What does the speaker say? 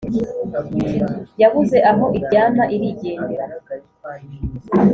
Yabuze aho iryama irigendera